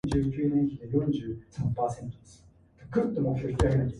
The new website provides information for residents, visitors and government agencies.